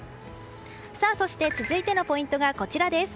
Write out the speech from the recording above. そして続いてのポイントがこちらです。